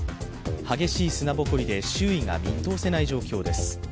激しい砂ぼこりで周囲が見通せない状況です。